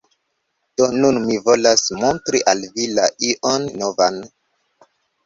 Do nun mi volas montri al vi la ion novan.